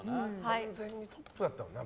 完全にトップだったもんな。